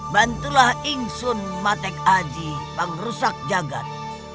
bantulah inksun matek aji pengrusak jagad